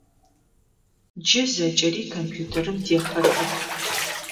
Джы зэкӏэри компьютерым дехьыхых.